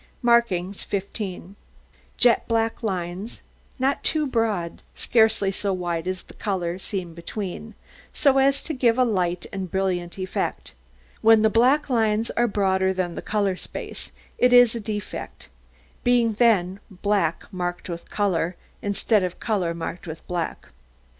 MARKINGS 15 Jet black lines, not too broad, scarcely so wide as the ground colour seen between, so as to give a light and brilliant effect. When the black lines are broader than the colour space, it is a defect, being then black marked with colour, instead of colour marked with black.